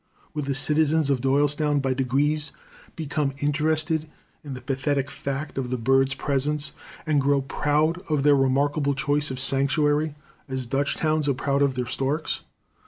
Would the citizens of Doylestown, by degrees, become interested in the pathetic fact of the birds' presence, and grow proud of their remarkable choice of sanctuary, as Dutch towns are proud of their storks?